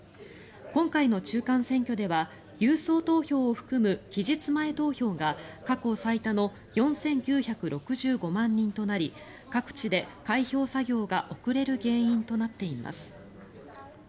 今回の中間選挙では郵送投票を含む期日前投票が過去最多の４９６５万人となり各地で開票作業が遅れる原因となっています。